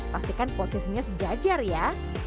pastikan posisinya sejajar ya